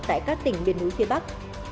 tại các tỉnh biển núi phía bắc